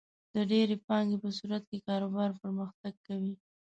د ډېرې پانګې په صورت کې کاروبار پرمختګ کوي.